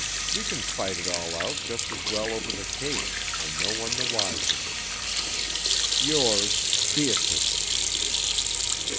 We can fight it all out just as well over the cakes and no one the wiser. Yours, BEATRICE."